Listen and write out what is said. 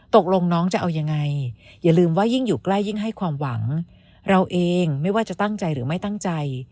ตกลงน้องจะเอายังไงอย่าลืมว่ายิ่งอยู่ใกล้ยิ่งให้ความหวังเราเองไม่ว่าจะตั้งใจหรือไม่ตั้งใจ